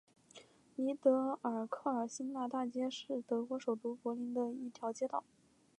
尼德尔克尔新纳大街是德国首都柏林的一条街道。